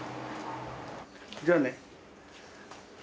じゃあね。